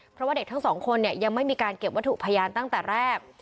เพราะว่าเด็กทั้งสองคนเนี่ยยังไม่มีการเก็บวัตถุพยานตั้งแต่แรก